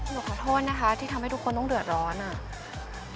หนูขอโทษนะคะที่ทำให้ทุกคนต้องเดือดร้อนอ่ะ